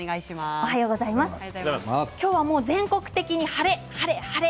今日はもう全国的に晴れ晴れ、晴れ。